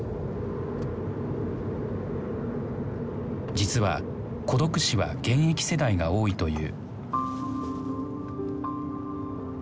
実は孤独死は現役世代が多いという。